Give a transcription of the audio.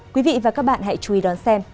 quý vị và các bạn hãy chú ý đón xem